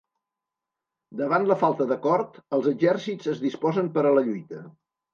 Davant la falta d'acord, els exèrcits es disposen per a la lluita.